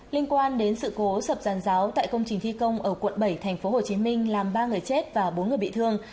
liên quan đến sự cố sập giàn giáo tại công trình thi công ở quận bảy tp hcm làm ba người chết và bốn người bị thương